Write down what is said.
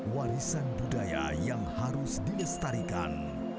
warisan budaya yang harus dilestarikan